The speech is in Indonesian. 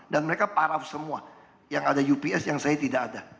dan mereka paraf semua yang ada ups yang saya tidak ada